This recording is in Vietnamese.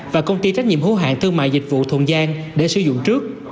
và công ty trách nhiệm hữu hạng thương mại dịch vụ thuận giang để sử dụng trước